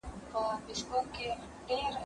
اراده د انسان په واک کي ده.